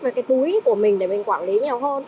với cái túi của mình để mình quản lý nhiều hơn